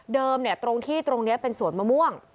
ตรงที่ตรงนี้เป็นสวนมะม่วง